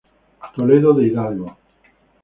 Toledo de Hidalgo.